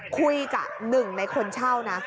คุยกับหนึ่งในคนเช่านะ